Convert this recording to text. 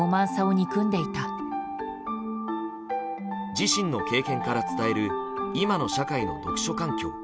自身の経験から伝える今の社会の読書環境。